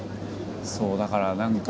そうだから何か。